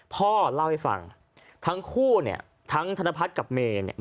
พ่อเล่าให้ฟังทั้งคู่เนี่ยทั้งธนพัฒน์กับเมย์เนี่ย